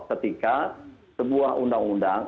ketika sebuah undang undang